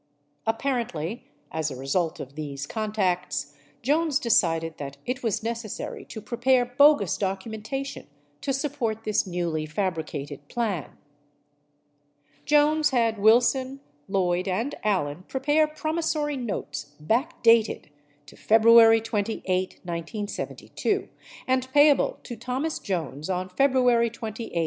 Apparently, as a result of these contacts, Jones decided that it was necessary to prepare bogus documentation to sup port this newly fabricated plan. Jones had Wilson, Lloyd, and Allen prepare promissory notes back dated to February 28, 1972, and payable to Thomas Jones on February 28, 1973.